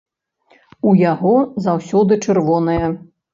У яго заўсёды чырвоная.